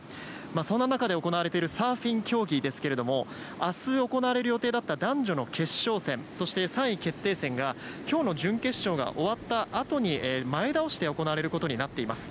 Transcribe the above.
そんな中で行われているサーフィン競技ですけれど明日行われる予定だった男女の決勝戦そして、３位決定戦が今日の準決勝が終わったあとに前倒して行われることになっています。